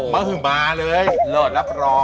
ปลากะเลยโหรบร้อง